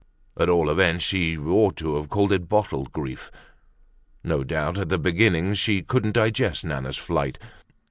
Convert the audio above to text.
At all events, she ought to have called it bottled grief. No doubt at the beginning she couldn't digest Nana's flight.